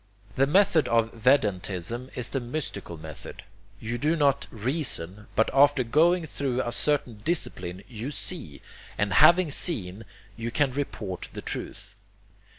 The method of Vedantism is the mystical method. You do not reason, but after going through a certain discipline YOU SEE, and having seen, you can report the truth.